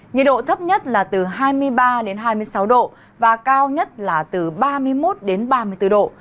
nhiệt độ thấp nhất là từ hai mươi ba đến hai mươi sáu độ và cao nhất là từ ba mươi một đến ba mươi bốn độ